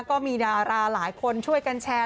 ก็มีดาราหลายคนช่วยกันแชร์